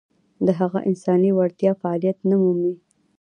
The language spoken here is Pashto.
د هغه انساني وړتیاوې فعلیت نه مومي.